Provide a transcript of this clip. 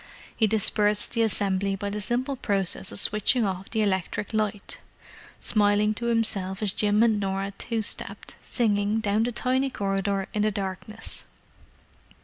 He dispersed the assembly by the simple process of switching off the electric light—smiling to himself as Jim and Norah two stepped, singing, down the tiny corridor in the darkness.